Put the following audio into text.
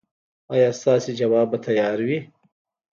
ایا ستاسو ځواب به تیار وي؟